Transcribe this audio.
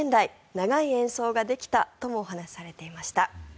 長い演奏ができたともお話しされていました。